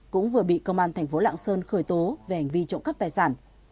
cũng vừa bị công an thành phố lạng sơn khởi tố về hành vi trộm cắp tài sản